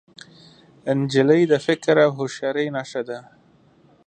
نجلۍ د فکر او هوښیارۍ نښه ده.